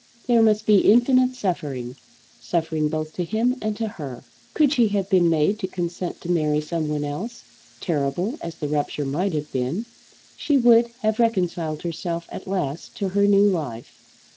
There must be infinite suffering, suffering both to him and to her. Could she have been made to consent to marry someone else, terrible as the rupture might have been, she would have reconciled herself at last to her new life.